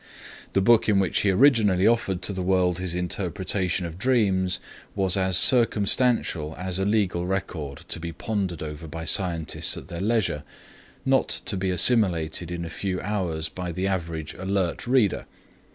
The book in which he originally offered to the world his interpretation of dreams was as circumstantial as a legal record to be pondered over by scientists at their leisure, not to be assimilated in a few hours by the average alert reader.